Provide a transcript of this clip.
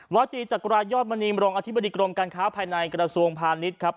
จีจักรายอดมณีมรองอธิบดีกรมการค้าภายในกระทรวงพาณิชย์ครับ